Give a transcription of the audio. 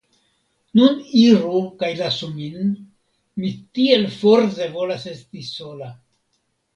Nun iru kaj lasu min, mi tiel forte volas esti sola!